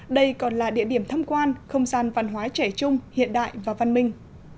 đây còn là địa điểm thăm quan không gian văn hóa trẻ trung hiện đại và văn minh